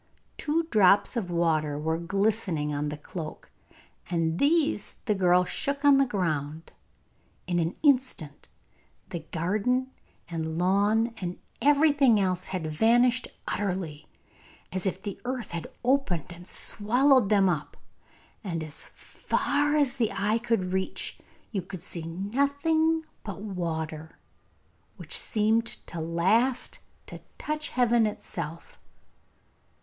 Two drops of water were glistening on the cloak, and these the girl shook on the ground. In an instant the garden and lawn and everything else had vanished utterly, as if the earth had opened and swallowed them up, and as far as the eye could reach you could see nothing but water, which seemed at last to touch heaven itself.